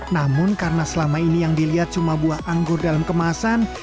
namun karena selama ini yang dilihat cuma buah anggur dalam kemasan